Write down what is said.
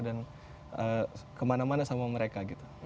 dan kemana mana sama mereka